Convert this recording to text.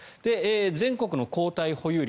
全国の抗体保有率